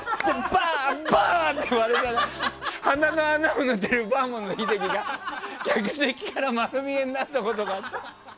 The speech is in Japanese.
バーン！って割れたら鼻の穴塗ってるバーモント秀樹が客席から丸見えになったことがあって。